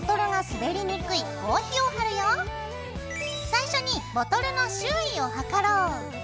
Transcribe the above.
最初にボトルの周囲を測ろう。